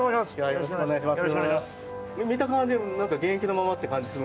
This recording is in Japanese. よろしくお願いします！